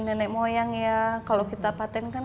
nenek moyang ya kalau kita patenkan